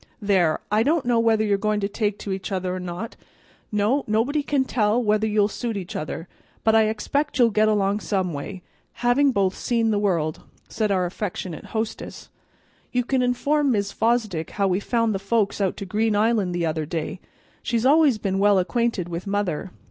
"There, I don't know whether you're goin' to take to each other or not; no, nobody can't tell whether you'll suit each other, but I expect you'll get along some way, both having seen the world," said our affectionate hostess. "You can inform Mis' Fosdick how we found the folks out to Green Island the other day. She's always been well acquainted with mother.